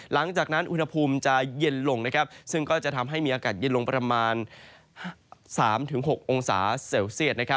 หลังจากนั้นอุณหภูมิจะเย็นลงซึ่งก็จะทำให้มีอากาศเย็นลงประมาณ๓๖องศาเซลเซียต